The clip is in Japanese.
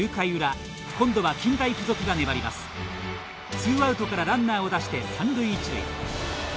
ツーアウトからランナーを出して三塁一塁。